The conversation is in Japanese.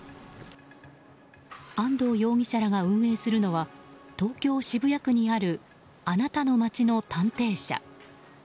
安藤容疑者らが運営するのは東京・渋谷区にあるあなたの街の探偵社。